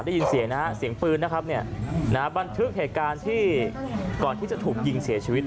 ได้ยินเสียงนะเสียงปืนนะครับบันทึกเหตุการณ์ก่อนที่จะถูกยิงเสียชีวิต